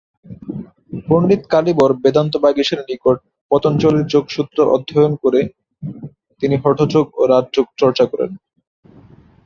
পন্ডিত কালীবর বেদান্তবাগীশের নিকট পতঞ্জলির যোগসূত্র অধ্যয়ন করে তিনি হঠযোগ ও রাজযোগ চর্চা করেন।